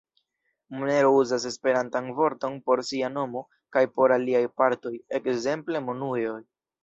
Monero uzas esperantan vorton por sia nomo kaj por aliaj partoj, ekzemple monujo.